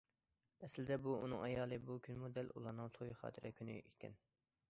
ئەسلىدە بۇ ئۇنىڭ ئايالى، بۇ كۈنمۇ دەل ئۇلارنىڭ توي خاتىرە كۈنى ئىكەن.